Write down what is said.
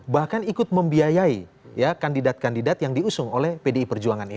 bahkan ikut membiayai ya kandidat kandidat yang diusung oleh pdi perjuangan ini